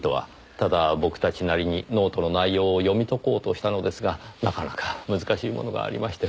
ただ僕たちなりにノートの内容を読み解こうとしたのですがなかなか難しいものがありまして。